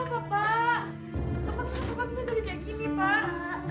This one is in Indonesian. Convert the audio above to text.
bapak bapak bisa jadi kayak gini pak